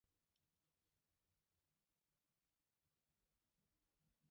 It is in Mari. Ик велне — заключённый-влак, вес велне — лишыл еҥышт, родо-тукымышт-влак.